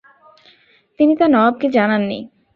তিনি তা নওয়াবকে জানান নি।